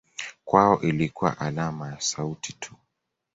Kwao ilikuwa alama ya sauti tu.